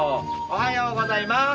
おはようございます。